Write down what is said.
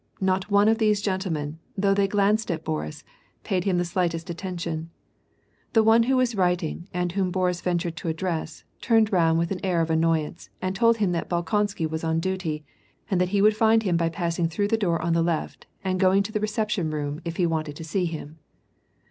Not one of these gentle men, though they glanced at Boris, paid him the slightest at tention. The one who was writing and whom Boris ventured to address, turned round with an air of annoyance and told him that Bolkonsky was on duty, and that he would find him by passing through the door on the left, and going to the leception room if he wanted to see him.